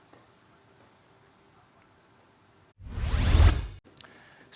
polisi juga menutup sementara jalur utama tuban jawa timur surabaya